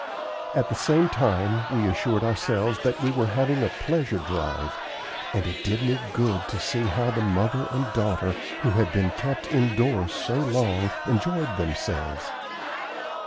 At the same time we assured ourselves that we were having a pleasure drive; and it did me good to see how the mother and daughter, who had been kept indoors so long, enjoyed themselves.